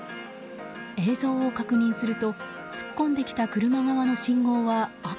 映像を確認すると突っ込んできた車側の信号は赤。